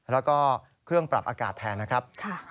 แล้วก็เครื่องปรับอากาศแทนนะครับ